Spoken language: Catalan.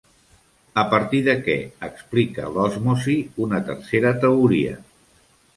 A partir de què explica l'osmosi una tercera teoria?